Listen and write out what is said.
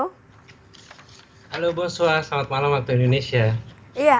halo boswa selamat malam waktu indonesia